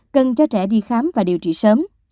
cần cho trẻ đi khám và điều trị sớm